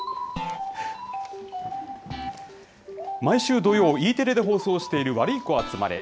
毎週土曜、Ｅテレで放送している、ワルイコあつまれ。